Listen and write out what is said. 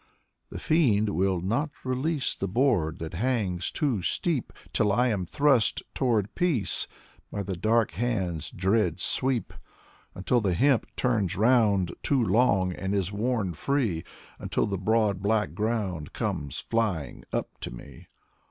" The fiend will not release The board that hangs too steep Till I am thrust toward peace By the dark hand's dread sweep. Until the hemp turns round Too long, and is worn free. Until the broad black ground Comes flying up to me.